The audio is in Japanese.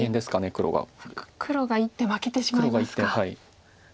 黒が１手負けてしまいますか。